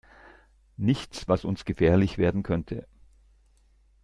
Nichts, was uns gefährlich werden könnte.